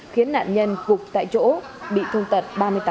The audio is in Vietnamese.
khiến nạn nhân gục tại chỗ bị thương tật ba mươi tám